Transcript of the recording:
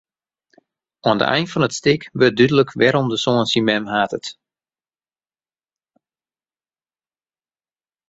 Oan de ein fan it stik wurdt dúdlik wêrom de soan syn mem hatet.